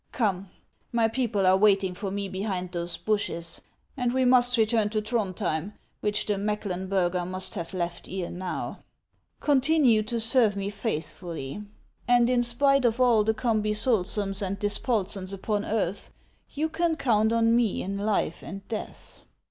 Come, my people are waiting for me behind those bushes, and we must return to Throndhjem, which the Mecklen burger must have left ere now. Continue to serve me faithfully, and in spite of all the Cumbysulsuins and 362 HANS OF ICELAND. Dispolsens upon earth, you can count on me in life and death